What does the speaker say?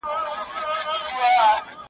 د غونډیو لوړي څوکي او جګ غرونه `